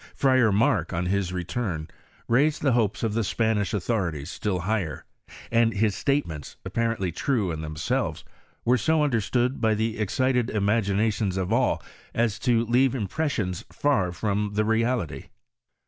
Friar Mark, on his return, raised the hopes of the Spanish authorities still higher, and his statements^ apparently true in themselves, were 80 understood by the* excited imaginations of all, as to leave impressions far from the reality.